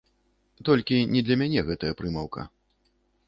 Толькі не для мяне гэтая прымаўка!